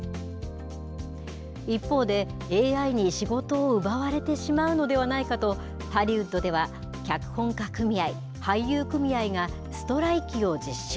一方でＡＩに仕事を奪われてしまうのではないかと、ハリウッドでは脚本家組合、俳優組合がストライキを実施。